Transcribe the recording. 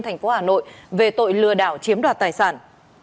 thành phố hà nội về tội lừa đảo chiếm đoạt tài sản